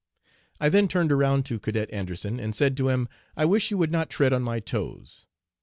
I then turned around to Cadet Anderson, and said to him, "I wish you would not tread on my toes."